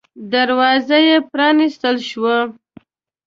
دروازه پرانستل شوه.